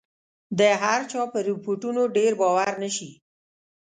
د هرچا په رپوټونو ډېر باور نه شي.